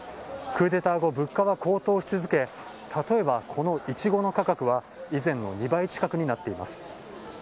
クーデター後、物価は高騰し続け、例えばこのいちごの価格は以前の２倍近くになっています。